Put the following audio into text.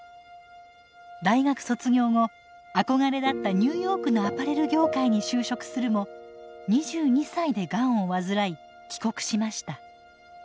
大学卒業後憧れだったニューヨークのアパレル業界に就職するも２２歳でガンを患い帰国しました。